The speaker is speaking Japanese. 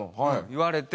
言われて。